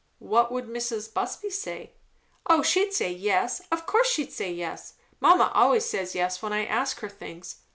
"What would Mrs. Busby say?" "O she'd say yes. Of course she'd say yes. Mamma always says yes when I ask her things.